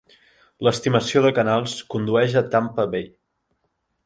L"estimació de canals condueix a Tampa Bay.